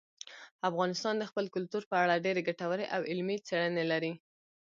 افغانستان د خپل کلتور په اړه ډېرې ګټورې او علمي څېړنې لري.